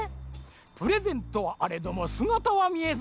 プレゼントはあれどもすがたはみえず。